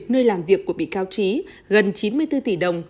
nơi làm việc của bị cáo trí gần chín mươi bốn tỷ đồng